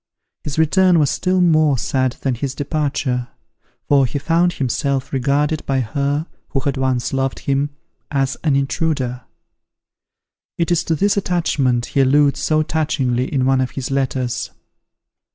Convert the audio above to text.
His return was still more sad than his departure; for he found himself regarded by her who had once loved him, as an intruder. It is to this attachment he alludes so touchingly in one of his letters.